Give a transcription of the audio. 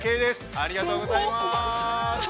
ありがとうございます。